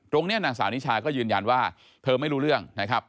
นางสาวนิชาก็ยืนยันว่าเธอไม่รู้เรื่องนะครับ